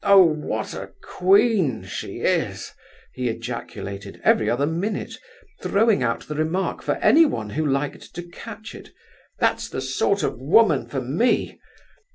"Oh, what a queen she is!" he ejaculated, every other minute, throwing out the remark for anyone who liked to catch it. "That's the sort of woman for me!